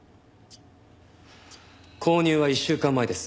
購入は１週間前です。